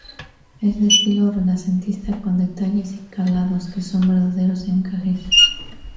Es de estilo renacentista con detalles y calados que son verdaderos encajes.